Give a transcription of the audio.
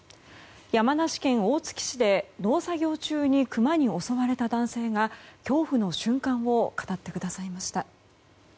山梨県大月市で農作業中にクマに襲われた男性が恐怖の瞬間を語ってくださいました。